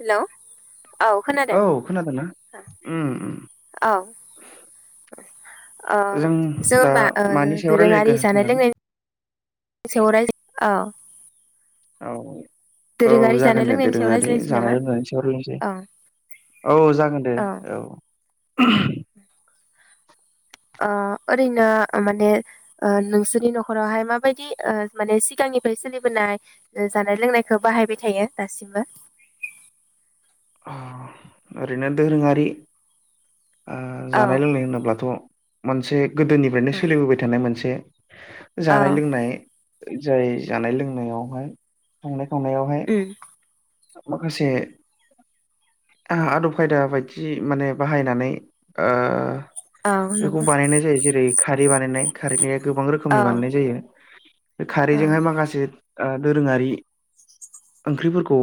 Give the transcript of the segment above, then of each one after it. Hello औ खोनादों? उम उम ओं औ अ जों दा होमबा ओ मानि सायाव दोरोङारि रायलायगोन जानाय होनदों लोंनायनि सायाव रायज औ औ औ दोरोङारि जानाय जागोन दे लोंनायनि सायाव दोरोङारि रायज्लायनोसै नामा जानाय लोंनायनि सायाव लायरायनोसै औ औ जागोन दे औ। आ ओरैनो माने ओ नोंसोरनि न'खरावहाय माबायदि ओ माने सिगांनिफ्राय सोलिबोनाय ओ जानाय लोंनायखौ बाहायबाय थायो दासिमबो। अ ओरैनो दोरोङारि ओ औ जानाय लोंनाय होनोब्लाथ' मोनसे गोदोनिफ्रायनो सोलिबोबाय थानाय मोनसे औ जानाय लोंनाय जाय जानाय लोंनायावहाय संनाय खावनायावहाय [unintelligible] माखासे आहा आदब खायदा बायदि माने बाहायनानै ओ औ बेखौ नंगौ बानायनाय जायो। जेरै खारै बानायनाय खारैनिया गोबां औ रोखोमनि बानायनाय जायो। बे औ खारैजोंहाय माखासे ओ दोरोङारि ओंख्रिफोरखौ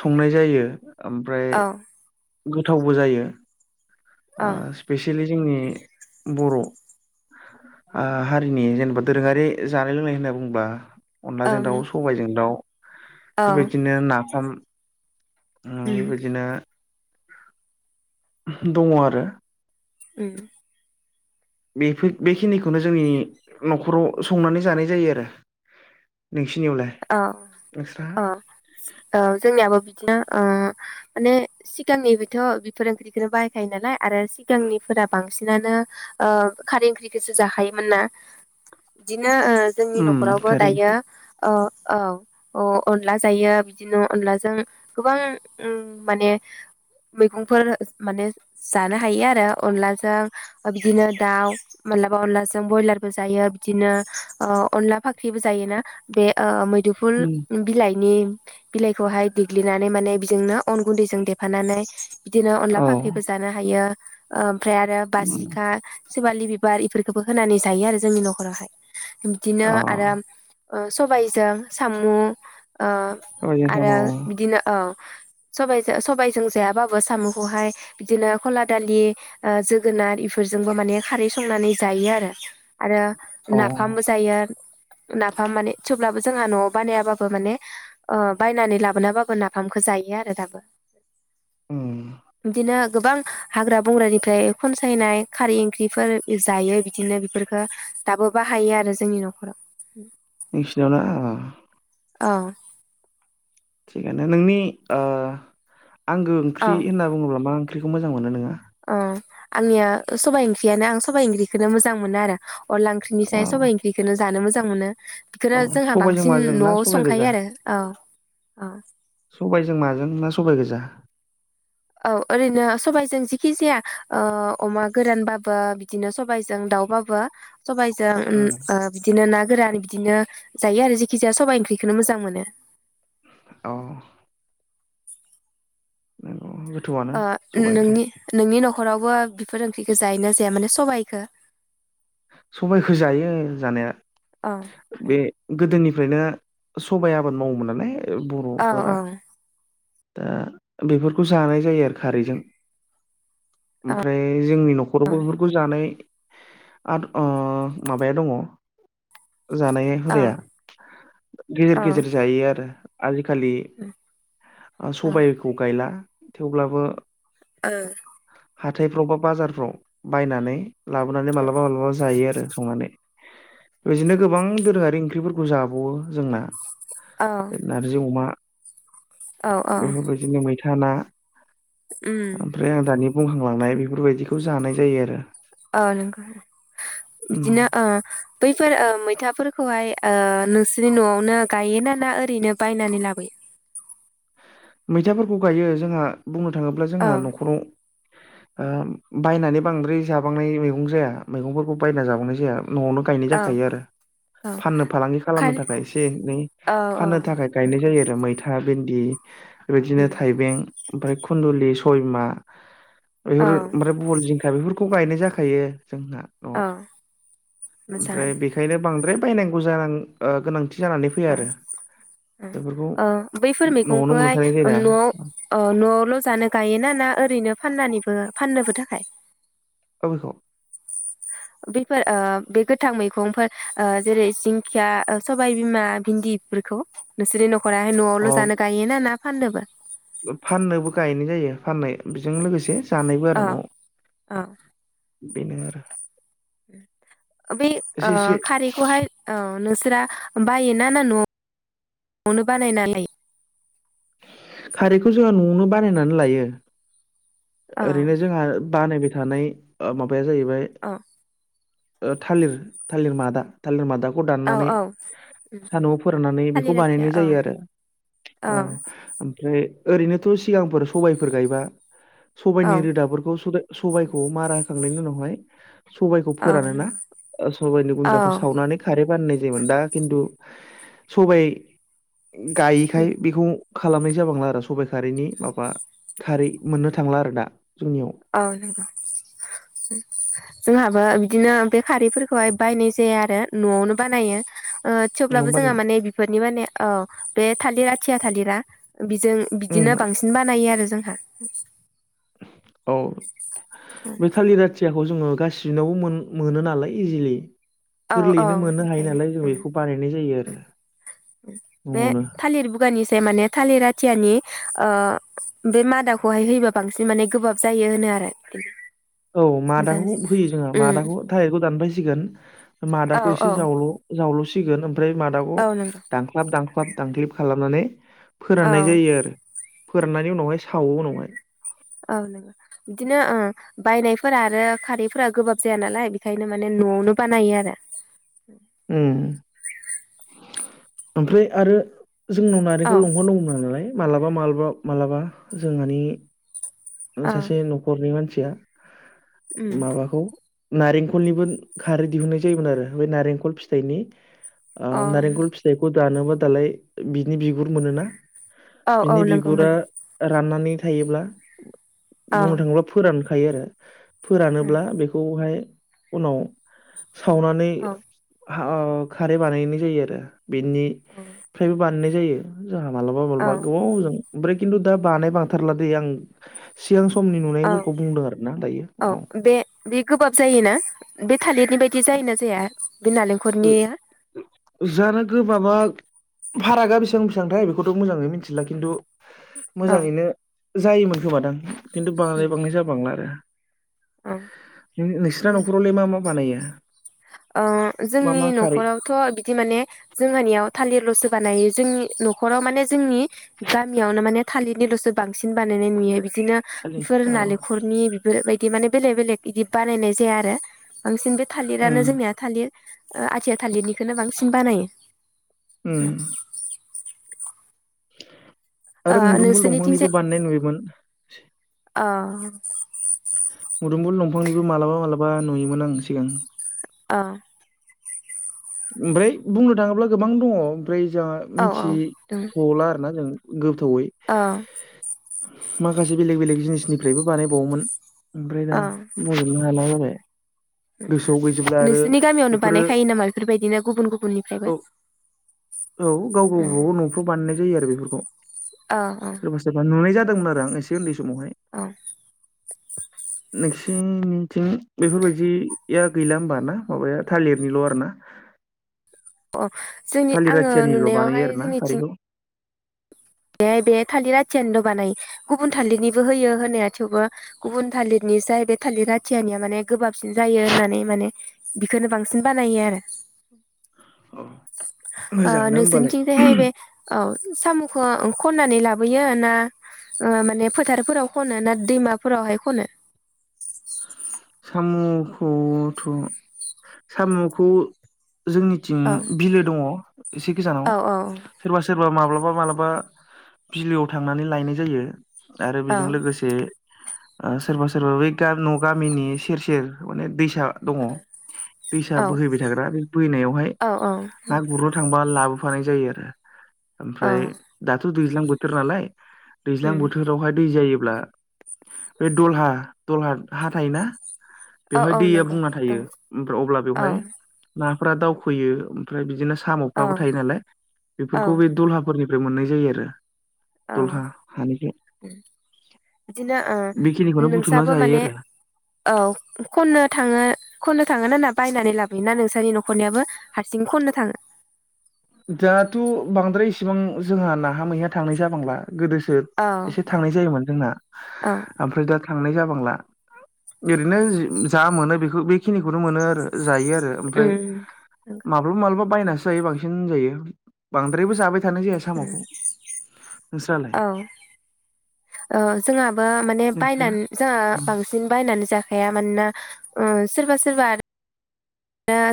संनाय जायो ओमफ्राय औ गोथावबो जायो। ओ औ स्पेसियेलि जोंनि बर' ओ हारिनि जेनेबा दोरोङारि जानाय लोंनाय होनना बुङोब्ला अनलाजों दाउ औ सबायजों दाउ औ बेबायदिनो नाफाम हुम उम बेबायदिनो दङ आरो उम बेफोइद बेखिनिखौनो जोंनि न'खराव संनानै जानाय जायो आरो नोंसिनियावलाय? औ नोंस्रा अ ओ जोंनियाबो बिदिनो ओ माने सिगांनिफायथ' बेफोर ओंख्रिखौनो बाहायखायो नालाय आरो सिगांनिफोरा बांसिनानो ओ खारै ओंख्रिखौसो जाखायोमोन ना बिदिनो ओ जोंनि उम न'खरावबो खारैनि दायो अ औ अ अनला जायो बिदिनो अनलाजों गोबां उम माने मैगंफोर माने जानो हायो आरो अनलाजों बिदिनो दाउ मालाबा अनलाजों ब्रयलारबो जायो बिदिनो ओ अनला फाख्रिबो जायोना! बे ओ मैदुफुल उम बिलाइनि बिलाइखौहाय देग्लिनानै माने बेजोंनो अन गुन्दैजों देफानानै बिदिनो अनला औ फाख्रिबो जानो हायो, ओ ओमफ्राय आरो उम बासिखा सिवालि बिबार इफोरखोबो होनानै जायो आरो जोंनि न'खरावहाय। बिदिनो अ आरो ओ सबायजों सामु ओ सबायजों साम' आरो बिदिनो औ सबायजो सबायजों जायाबाबो साम'खौहाय बिदिनो ख'ला दालि ओ जोगोनार इफोरजोंबो माने खारै संनानै जायो आरो आरो अ नाफामबो जायो आरो हा माने थेवब्लाबो जोंहा न'आव बानायाबाबो माने। ओ बायनानै लाबोनाबाबो नाफामखौ जायो आरो दाबो। उम बिदिनो गोबां हाग्रा बंग्रानिफ्राय खनसायनाय खारै ओंख्रिफोर जायो। बिदिनो बिफोरखो दाबो बाहायो आरो जोंनि न'खराव। नोंसिनियावला, औ थिगानो नोंनि ओ आंगो औ ओंख्रि होनना बुंङोब्ला मा ओंख्रिखौ मोजां मोनो नोंङो? ओ आंनिया सबाइ ओंख्रियानो आं सबाइ ओंख्रिखोनो मोजां मोनो आरो अनला ओंख्रि निसाय अ सबाइ ओंख्रिखोनो जानो मोजां मोनो, औ बिखोनो जोंहा सबायजों बांसिन माजों ना न'आव सबाइ गोजा संखायो आरो औ अ सबायजों माजों ना सबाय गोजा? औ ओरैनो सबबायजों जेखि जाया ओ अमा गोरानबाबो बिदिनो सबाइजों दाउबाबो [unintelligible] सबाइजों उम ओ बिदिनो ना गोरान बिदिनो जायो आरो जेखि जाया सबाइ ओंख्रिखोनो मोजां मोनो, औ, नंगौ गोथौआनो ओ सबाइ ओंख्रिया नोंनि नोंनि न'खरावबो बिफोर ओंख्रिखो जायो ना जाया? माने सबायखो। सबायखौ जायो जानाया। औ बे गोदोनिफ्रायनो सबाय आबाद मावोमोन नालाय बर' औ फोरा। दा बेफोरखौ जानाय जायो आरो खारैजों। ओमफ्राय जोंनि न'खरावबो बेफोरखौ जानाय। आद अ माबाया दंङ जानाय। औ हुदाया गेजेर गेजेर जायो आरो आजिखालि, उम सबायखौ गायला थेवब्लाबो ओ हाथायफ्राव बा बाजारफ्राव बायनानै लाबोनानै मालाबा मालाबा जायो आरो संनानै। बिदिनो गोबां दोरोआरि ओंख्रिफोरखौ जाबावो जोंना औ औ नारजि अमा। औ औ बेफोरबायदिनो मैथा ना। ओम ओमफ्राय आं दानि बुंखांलांनाय बेफोरबायदिखौ जानाय जायो। आरो ओ नंगौ उम बिदिनो ओ बैफोर ओ मैथाफोरखौहाय ओ नोंसोरनि न'आवनो गायोना ना ओरैनो बायनानै लाबोयो? मैथाफोरखौ गायो जोंहा बुंनो थांङोब्ला औ जोंहा न'खराव। [inaudible] ओम बायनानै बांद्राय जाबांनाय मैगं जाया मैगंफोरखौ बायना जाबांनाय जाया न'आवनो, गायनाय औ जाखायो आरो औ फाननो फालांगि खालामनो खार थाखाय एसे एनै औ औ फाननो थाखाय गायनाय नंगौ जायो आरो मैथा भिन्दि। बेबायदिनो उम थाइबें ओमफ्राय खुन्दुलि सबायबिमा बेफोर औ ओमफ्राय। बल जिंखा बेफोरखौ गायनाय जाखायो जोंना नआव औ ओमफ्राय मोजाङानो बि ओंखायनो बांद्राय बायनांगौ जानां गोनांथि जानानै फैया ओं आरो ओं बेफोरखौ। ओ बैफोर न'आवनो मैगंखौहाय मोनखानाय जायोना नआव ओ नआवल जानो गायोना ना ओरैनो फाननानैबो फाननोबो थाखाय? औल बैफोर ओ बे गोथां मैगंफोर जेरै दिंखिया सबायबिमा भिन्दि बेफोरखौ नोंसोरनि नखराहाय अ न‌आवल जानो गायोना ना फान्नोबो? फाननोबो गायनाय जायो फाननाय बेजों लोगोसे जानायबो औ आरो नआव औ बेनो आरो बे एसे ओ एसे खारैखौहाय औ नोंसोरा बायोना ना न नआवनो बानाय नालाय खारैखौ जोङा नआवनो बानायनानै लायो औ ओरैनो जोंहा बानायबाय थानाय ओ माबाया जाहैबाय औ ओ थालिर थालिर मादा थालिर मादाखौ औ दाननानै औ सादुंआव फोराननानै बेखौ थालिर आथिया बानायनाय औ जायो आरो औ अ ओमफ्राय ओरैनोथ सिगांफोर सबायफोर गायबा औ सबायाइनि रोदाफोरखौ सबायाइखौ मारा होखांनायनि उनावहाय सबाइखौ औ फोरानो ना नंगौ सबाइनि औ गुन्द्राखौ सावनानै खारै बाननाय जायोमोन दा खिन्थु सबायाइ गायैखाय बेखौ खालामनाय जाबांला आरो सबायाइ खारैनि माबा खारै मोननो थांला आरो दा जोंनियाव औ नंगौ जोंहाबो बिदिनो बे खारैफोरखौहाय बायनाय जाया आरो नआवनो बानायो ओ नङा थेवब्लाबो होमबा ने जोंहा माने बेफोरनि माने औ बे थालिरा थिया थालिरा बेजों बिदिनो उम बांसिन बानायो आरो जोंहा। औ बे थालिर आथिया खौ जोङो गासिनावबो मोन मोनो नालाय इजिलि औ औ गोरलैयैनो मोननो हायो बेखायनो नालाय जों उम बेखौ बानायनाय जायो आरो बे न'आवनो थालिर बुगानिसै माने थालिर आथियानि ओ बे मादाखौहाय होयोबा बांसिन माने गोबाब जायो होनो आरो। औ मादाखौ मोजांसिन होयो जोंङा उम मादाखौ थालेरखौ दानफायसिगोन औ मादाखौ एसे औ जावल जावलसिगोन ओमफ्राय मादा औ नंगौ दांख्लाब दांख्लाब दांखलिब खालामनानै औ फोराननाय जायो आरो फोराननानै उनावहाय सावो उनावहाय औ नंगौ बिदिनो ओं बायनायफोरा आरो खारैफोरा गोबाब जाया नालाय बेखायनो माने नआवनो बानायो आरो उम ओमफ्राय आरो जोंनाव औ नारेंखल लंहर दांगमोन नालाय मालाबा मालबाबा मालाबा जोंहानि औ सासे नखरनि मानसिया उम माबाखौ नारेंखलनिबो खारै दिहुननाय जायोमोन आरो बे नारेंखल फिथाइनि ओ अ नारेंखल फिथाइखौ दानोबा दालाय बिनि बिगुर मोनोना औ औ बिनि नंगौ बिगुरा मोनो राननानै थायोब्ला औ बुंंनो थाङोब्ला फोरानखायो आरो फोरानोब्ला बेखौहाय उनाव सावनानै औ खारै बानायनाय जायो आरो बेनिफ्रायबो बानायनाय जायो जोंहा मालाबा औ माब्लाबा गोबावजों ओमफ्राय खिन्थु दा बानाय बांथारला दै आं सिगां समनि औ नुनायफोरखौ बुंदों आरो ना दायो औ। बे गोबाब जायोना बे थालिरनि बायदि जायोना जाया बे ओ नालेंखलनिया? जानो गोबाबा फारागा बेसेबां बेसेबांथाय बेखौथ' मोजाङै मिथिला खिन्थु औ मोजाङैनो जायोमोन खोमादां खिन्थु उम बांद्राय बांनाय जा बांला आरो। ओ नोंसिना नखरावलाय मा मा बानायो? ओं मा जोंनि मा खारै नखरावथ बिदि माने जोंहानियाव थालिरलसो बानायो जोंनि नखराव माने जोंनि गामियावनो माने थालिरनिलसो बांसिन बानायनाय नुयो बिदिनो थालि बेफोर औ नालेंखल नि बेफोर बायदि माने बेलेग बेलेग इदि बानायनाय जाया आरो बांसिन बे थालिर उम थालिरानो जोंनिया थालिर ओ आथिया थालिरनिखौनो बांसिन बानायो। उम। ओ आरो मुदुमफुल नोंसोरनिथिंजाय दंफांनिबो बानायनाय नुयोमोन। अ। मुदुमफुल दंफांनिबो मालाबा मालाबा नुयोमोन आं सिगां। अ। ओमफ्राय बुंनो थाङोब्ला गोबां दङ ओमफ्राय जोंहा औ औ मिथि दं थला आरोना जों गोथावै। अ माखासे बेलेग बेलेग जिनिसनिफ्रायबो बानायबावोमोन ओमफ्राय दा अ बुंजोबनो हाला जाबाय। गोसोआव गैजोबला आरो नोंसोरनि गामियावनो बेफोरो बानायखायो नामा बेफोरबायदिनो गुबुन गुबुननिफ्रायबो। औ औ गाव ओ गावबागाव नफ्राव बानायनाय जायो आरो बेफोरखौ अ अ सोरबा नुनाय जादोंमोन आरो आं एसे उन्दै समावहाय अ नोंसिनिथिं बेफोरबायदि या गैला होमबा ना माबाया थालिरनिल आर ना? अ जोंनि थालिर आङो आथियानिल' बानायो नुनायावहाय आरो ना जोंनिथिं खारैखौ बेहाय बे थालिर राथियनोल बानाय गुबुन थालिरनिबो होयो होनाया थेवबो गुबुन थालिरनि जाय बे थालिर आथियानिया माने गोबाबसिन जायो होननानै माने बेखोनो बांसिन बानायो आरो। औ ओ मोजाङानो होमबालाय नोंसोरनिथिंजायहाय बे औ सामु ख-खननानै लाबोयो ना ओ माने फोथारफोराव खनो ना दैमाफोरावहाय खनो? सामुखौथ सामुखौ जोंनि थिं औ बिलो दङ एसे गोजानाव। औ औ सोरबा सोरबा माब्लाबा माब्लाबा बिलोआव थांनानै लायनाय जायो। आरो औ बेजों लोगोसे सोरबा सोरबा बै गार न गा मिनि सेर सेर माने दैसा दङ दैसा बोहैबाय थाग्रा बे बोहैनायावहाय औ ना गुरनो थांबा लाबोफानाय जायो औ ओमफ्राय दाथ' दैज्लां बोथोर नालाय दैज्लां उम बोथोरावहाय दै जायोब्ला बे दलहा दलहा हा थायोना औ बेवहाय औ दैया नंगौ बुंना दङ थायो ओमफ्रा अब्ला औ बेवहाय नाफोरा दावखोयो ओमफ्राय बिदिनो औ साम'फ्राबो थायो नालाय औ बेफोरखौ बे दलहा फोरनिफ्राय मोननाय जायो आरो औ दलहा हानिफ्राय। बिदिनो ओ बेखिनिखौनो बुथुमना नोंसाबो जायो माने आरो औ खननो थाङो खननो थाङोना ना बायनानै लाबोयो ना नोंसोरनि नखरनियाबो? हारसिं खननो थाङो। दाथ बांद्राय इसिबां जोंहा नाहा मैयहा थांनाय जाबांला गोदोसो औ एसे थांनाय जायोमोन जोंना औ ओमफ्राय दा थांनाय जाबांला। ओरैनो जा मोनो बेखौ बेखिनिखौनो मोनो आरो जायो आरो ओ ओमफ्राय उम माल्बाबा माल्बाबा बाय सो जायो बांसिन बांद्रायबो जाबाय थानाय जाया उम साम'खौ नोंस्रालाय औ। ओ जोंहाबो माने नोंस्रा बायनानै जोंहा उम बांसिन बांसिन बायनानै जाखाया मानोना ओ सोरबा सोरबा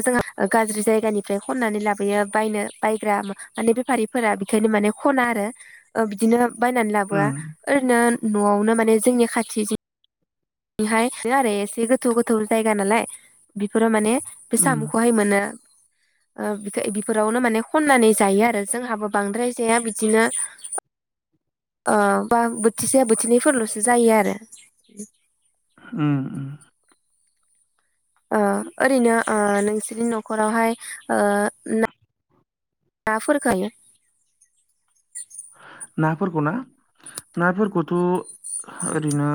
जोंहा गाज्रि जायगानिफ्राय खननानै लाबोयो बायनो बायग्रा माने बे बेफारिफोरा बेखायनो माने खना आरो ओ बिदिनो बायनानै लाबोआ उम ओरैनो न'आवनो माने जोंनि खाथि बेहाय आरो एसे गोथौ गोथौ जायगा नालाय बेफोराव माने बे उम सामुखौहाय मोनो। ओबिथो बिफोरावनो माने खननानै जायो आरो जोंहाबो बांद्राय जाया बिदिनो ओ बा बोथिसे बोथिनैफोरल'सो जायो आरो। उम। ओ ओरैनो ओ नोंसोरनि न'खरावहाय ओ ना [unintelligible] फोरखायो नाफोरखौ ना नाफोरखौथ' ओरैनो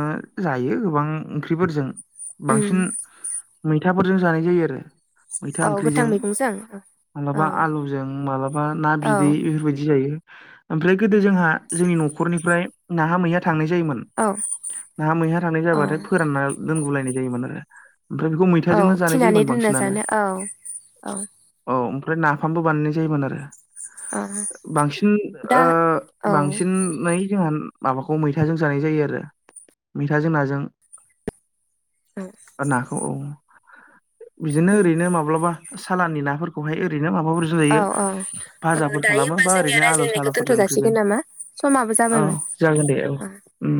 जायो गोबां ओंख्रिफोरजों बांसिन मैथाफोरजों जानाय जायो आरो। औ मैथा गोथां ओंख्रिजों मैगंजों औ मालाबा आलुजों मालाबा ना औ बिदै इफोरबायदि जायो। ओमफ्राय गोदो जोंहा जोंनि न'खरनिफ्राय नाहा मैहा थांनाय जायोमोन। औ नाहा मैहा थांनाय औ जाबाथाय फोरानना दोनगुलायनाय जायोमोन आरो। ओमफ्राय बेखौ औ मैथाजोंनो जानाय थिनानै जायोमोन दोननो बांसिनानो। जानो औ औ औ ओमफ्राय नाफामबो बानायनाय जायोमोन आरो। औ बांसिन ओ दा औ बांसिन नै जोंहा माबाखौ मैथाजों जानाय जायो आरो। मैथाजों नाजों औ नाखौ औ बिदिनो ओरैनो माब्लाबा सालानि नाफोरखौहाय ओरैनो माबाफोरजों औ औ [inaudible] फाजाफोर दायो खालामो होमबा बा जोंनिया ओरैनो आलु रायज्लायनायखौ सालु [inaudible] दोनथ' जासिगोन नामा समाबो औ जाबायमोन जागोन दे औ उम।